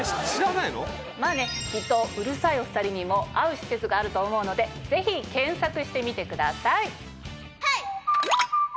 まぁねきっとうるさいお２人にも合う施設があると思うのでぜひ検索してみてください。